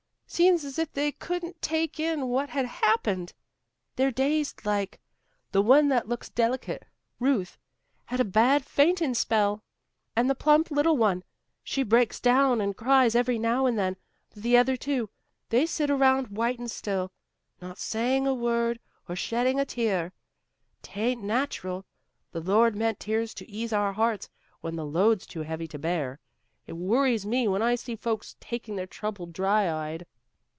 Seems as if they couldn't take in what had happened. They're dazed like. The one that looks delicate, Ruth, had a bad fainting spell, and the plump little one, she breaks down and cries every now and then, but the other two, they sit around white and still, not saying a word or shedding a tear. 'Tain't natural. The Lord meant tears to ease our hearts, when the load's too heavy to bear. It worries me when I see folks taking their trouble dry eyed."